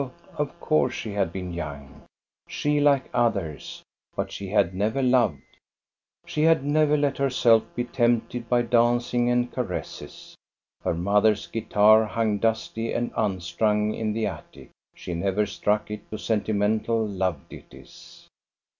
No, of course she had been young, she like others, but she had never loved. She had never let her self be tempted by dancing and caresses. Her mother's guitar hung dusty and unstrung in the attic; she never struck it to sentimental love ditties.